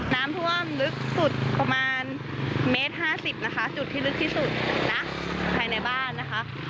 น้ำท่วมลึกสุดประมาณเมตรห้าสิบนะคะจุดที่ลึกที่สุดนะภายในบ้านนะคะ